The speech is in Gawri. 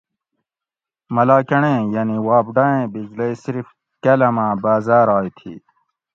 ملاکنڈیں یعنی واپڈائیں بجلئی صرف کالاۤماۤں باۤزاۤرائے تھی